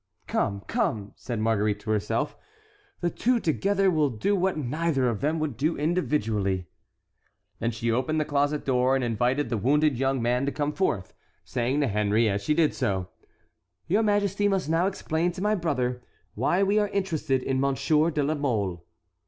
"Come, come!" said Marguerite to herself, "the two together will do what neither of them would do individually." And she opened the closet door and invited the wounded young man to come forth, saying to Henry as she did so: "Your majesty must now explain to my brother why we are interested in Monsieur de la Mole."